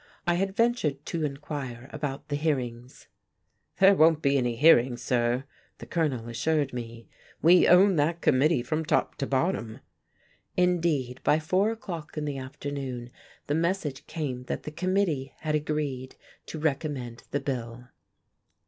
I had ventured to inquire about the hearings. "There won't be any hearings, sir," the Colonel assured me. "We own that committee from top to bottom." Indeed, by four o'clock in the afternoon the message came that the committee had agreed to recommend the bill.